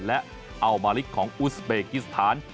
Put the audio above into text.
และอัลมาริกของอุสเบกิสถาน